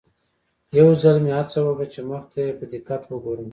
یو ځل مې هڅه وکړه چې مخ ته یې په دقت وګورم.